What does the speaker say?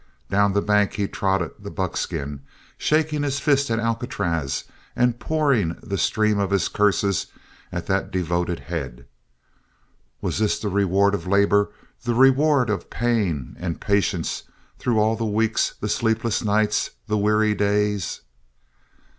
Down the bank he trotted the buckskin, shaking his fist at Alcatraz and pouring the stream of his curses at that devoted head. Was this the reward of labor, the reward of pain and patience through all the weeks, the sleepless nights, the weary days?